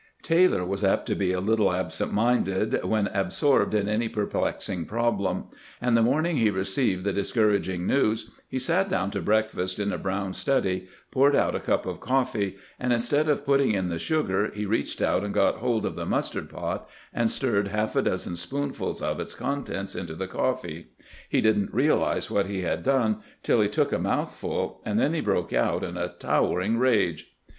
Taylor was apt to be a little absent minded when absorbed in any perplexing prob lem, and the morning he received the discouraging news he sat down to breakfast in a brown study, poured out a cup of coffee, and instead of putting in the sugar, he reached out and got hold of the mustard pot, and stirred half a dozen spoonfuls of its contents into the coffee. He did n't realize what he had done till he took a mouthful, and then he broke out in a towering rage.